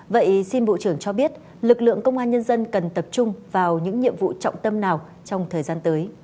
vậy xin bộ trưởng cho biết lực lượng công an nhân dân cần tập trung vào những nhiệm vụ trọng tâm nào trong thời gian tới